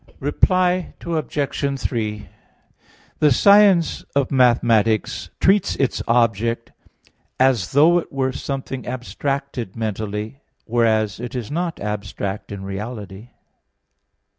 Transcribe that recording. Reply Obj. 3: The science of mathematics treats its object as though it were something abstracted mentally, whereas it is not abstract in reality.